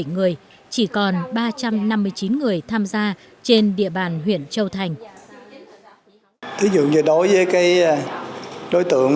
người chỉ còn ba trăm năm mươi chín người tham gia trên địa bàn huyện châu thành thí dụ như đối với cái đối tượng